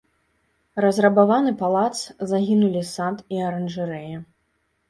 Разрабаваны палац, загінулі сад і аранжарэя.